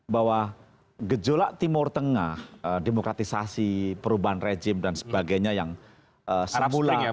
bahwa gejolak timur tengah demokratisasi perubahan rejim dan sebagainya yang semula